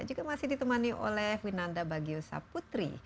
juga masih ditemani oleh winanda bagiusa putri